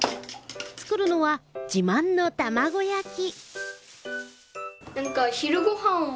作るのは自慢の卵焼き！